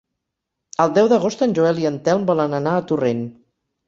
El deu d'agost en Joel i en Telm volen anar a Torrent.